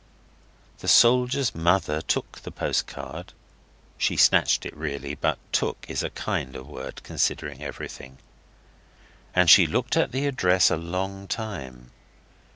The soldier's mother took the postcard (she snatched it really, but 'took' is a kinder word, considering everything) and she looked at the address a long time.